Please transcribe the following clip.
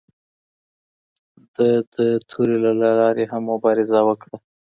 ده د تورې له لارې هم مبارزه وکړه